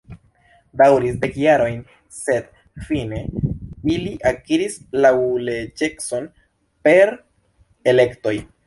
Daŭris dek jarojn, sed fine ili akiris laŭleĝecon per elektoj.